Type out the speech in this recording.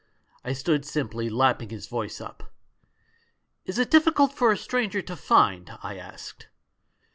"I stood simply lapping his voice up. " 'Is it difficult for a stranger to find ?' I asked.